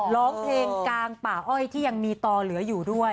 ร้องเพลงกลางป่าอ้อยที่ยังมีต่อเหลืออยู่ด้วย